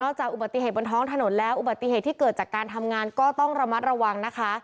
จากอุบัติเหตุบนท้องถนนแล้วอุบัติเหตุที่เกิดจากการทำงานก็ต้องระมัดระวังนะคะ